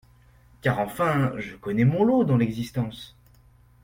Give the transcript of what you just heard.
Car, enfin, je connais mon lot, dans l'existence.